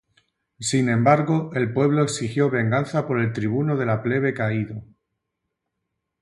Sin embargo, el pueblo exigió venganza por el tribuno de la plebe caído.